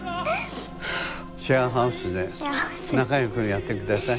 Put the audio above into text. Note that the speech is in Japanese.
シェアハウスで仲良くやって下さい。